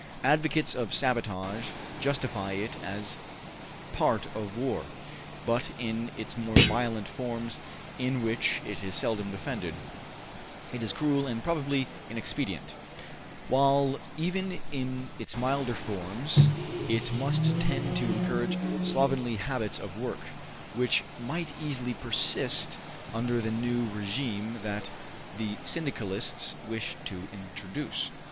Advocates of sabotage justify it as part of war, but in its more violent forms (in which it is seldom defended) it is cruel and probably inexpedient, while even in its milder forms it must tend to encourage slovenly habits of work, which might easily persist under the new regime that the Syndicalists wish to introduce.